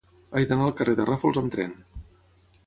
He d'anar al carrer de Ràfols amb tren.